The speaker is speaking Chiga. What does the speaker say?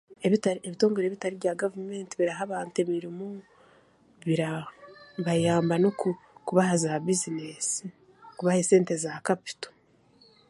Ebitari, ebitongore ebitari bya gavumenti biraha abantu emirimo bira, bayamba n'okubaha za buzineesi kubaha esente za kapito